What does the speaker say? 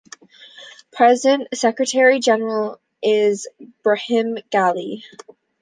Present Secretary-General is Brahim Gali.